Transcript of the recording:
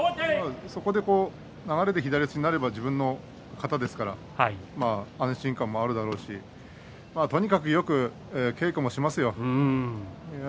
そこで流れで左四つになれば自分の型ですから安心感があるだろうしとにかくよく稽古もしますよ。